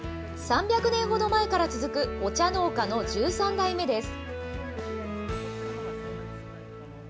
３００年ほど前から続くお茶農家の１３代目です。